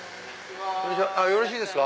よろしいですか？